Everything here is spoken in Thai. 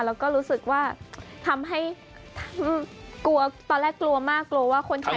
แล้วก็รู้สึกว่าทำให้กลัวตอนแรกกลัวมากกลัวว่าคนไทย